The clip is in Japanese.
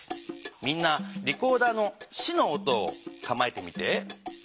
みんなリコーダーの「シ」の音をかまえてみて。